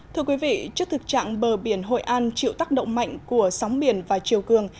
thưa quý vị trước thực trạng bờ biển hội an chịu tác động mạnh của sóng biển và chiều cường